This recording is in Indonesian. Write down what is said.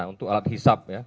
untuk alat hisap